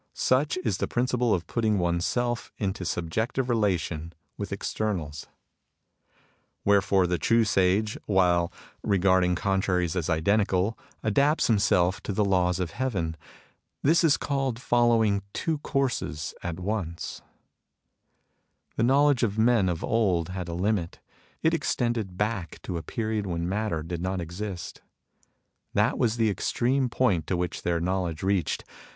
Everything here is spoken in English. Such is the principle of putting oneself into subjective relation with externals. "Wherefore the true sage, while regarding ^ 8c,, to the great goal of Tao. THE THREE PERIODS OF TAO 47 contraries as identical, adapts himself to the laws of Heaven. This is called following two courses at once. " The knowledge of the men of old had a limit. It extended back to a period when matter did not exist. That was the extreme point to which their knowledge reached.